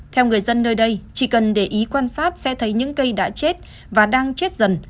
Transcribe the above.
theo người dân nơi đây chỉ cần để ý quan sát xe thấy những cây đã chết và đang chết dần